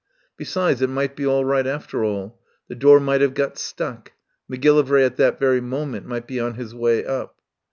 Besides, it might be all right after all. The door might have got stuck. Mac gillivray at that very moment might be on his way up.